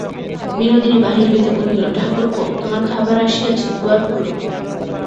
বিনোদিনী বাহির হইতে কহিল, ঠাকুরপো, তোমার খাবার আসিয়াছে, দুয়ার খোলো।